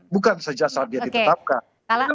bukan saja saat dia ditetapkan